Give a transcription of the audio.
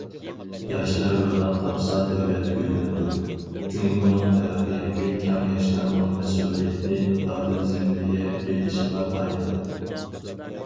ياشلار روناق تاپسا دۆلەت گۈللىنىدۇ، جۇڭگونىڭ تەرەققىياتى كەڭ ياشلارنىڭ مەسئۇلىيەتنى دادىل زىممىگە ئېلىشىغا تايىنىدۇ.